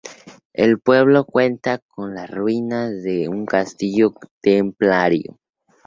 El pueblo cuenta con las ruinas de un castillo templario.